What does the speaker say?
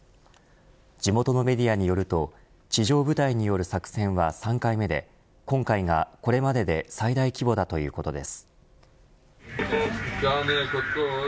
地元のメディアによると地上部隊による作戦は３回目で今回がこれまでで最大規模だということです。